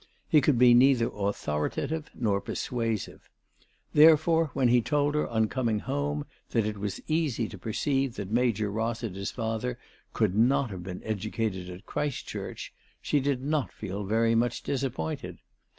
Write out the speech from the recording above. He could be neither authoritative nor persuasive. Therefore when he told her, on coming home, that it was easy to per ceive that Major Rossiter's father could not have been educated at Christchurch, she did not feel very much disappointed.